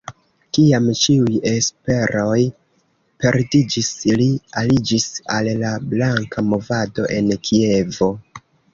Kiam ĉiuj esperoj perdiĝis, li aliĝis al la Blanka movado en Kievo.